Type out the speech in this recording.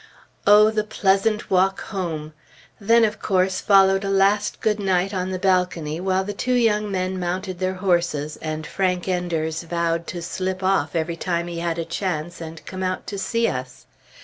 O the pleasant walk home! Then, of course, followed a last good night on the balcony, while the two young men mounted their horses and Frank Enders vowed to slip off every time he had a chance and come out to see us.